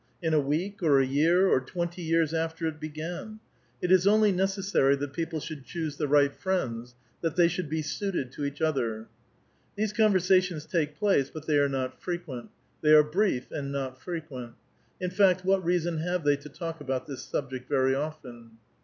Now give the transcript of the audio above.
in a week, or a year, or twenty years after it began ? It is only necessary that people should choose the right friends ; that they should be suited to each other." These conversations take place, but thej' are not frequent. Tliey are brief, and not frequent. In fact, what reason have they to talk about this subject very often